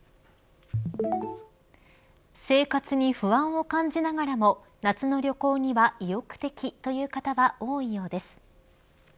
生活に不安を感じながらも夏の旅行には意欲的という方は多いようです。